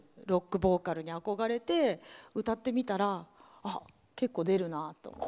ロックボーカルに憧れて歌ってみたら、結構出るなと。